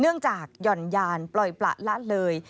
เนื่องจากหย่อนยานปล่อยประละเลย